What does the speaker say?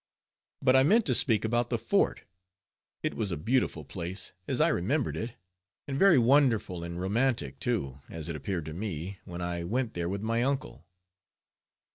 But I meant to speak about the fort. It was a beautiful place, as I remembered it, and very wonderful and romantic, too, as it appeared to me, when I went there with my uncle.